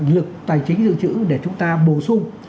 lực tài chính dự trữ để chúng ta bổ sung